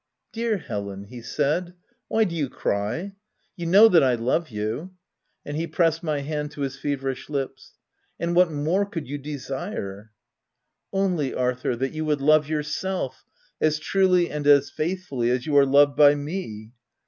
" Dear Helen !" he said —" why do you cry ? you know that I love you " (and he pressed my hand to his feverish lips,) " and what more could you desire ?"" Only, Arthur, that you would love yourself, as truly and as faithfully as you are loved by me."